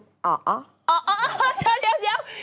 อ๋อวเออเดี๋ยว